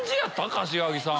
柏木さん。